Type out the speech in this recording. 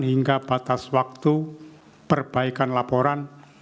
hingga batas waktu perbaikan laporan